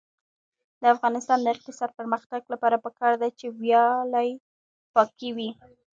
د افغانستان د اقتصادي پرمختګ لپاره پکار ده چې ویالې پاکې وي.